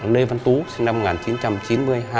lê văn tú sinh năm một nghìn chín trăm chín mươi hai